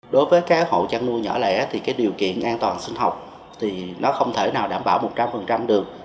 đối với các hộ chăn nuôi nhỏ lẻ điều kiện an toàn sinh học không thể nào đảm bảo một trăm linh được